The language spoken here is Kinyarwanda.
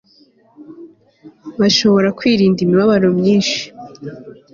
bashobora kwirinda imibabaro myinshi